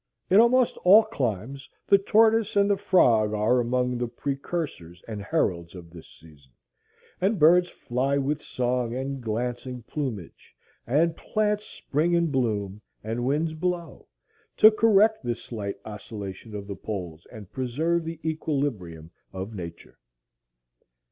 In almost all climes the tortoise and the frog are among the precursors and heralds of this season, and birds fly with song and glancing plumage, and plants spring and bloom, and winds blow, to correct this slight oscillation of the poles and preserve the equilibrium of Nature.